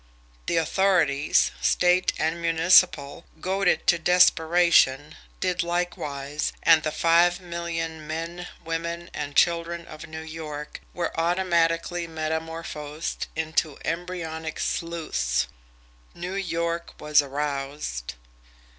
The authorities, State and municipal, goaded to desperation, did likewise, and the five million men, women, and children of New York were automatically metamorphosed into embryonic sleuths. New York was aroused.